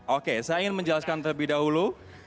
oke saya ingin menjelaskan terlebih dahulu